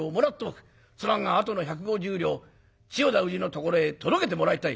すまんがあとの百五十両千代田氏のところへ届けてもらいたい」。